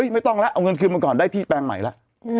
ไม่ต้องแล้วเอาเงินคืนมาก่อนได้ที่แปลงใหม่แล้ว